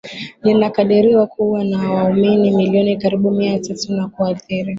linakadiriwa kuwa na waumini milioni karibu Mia tatu na kuathiri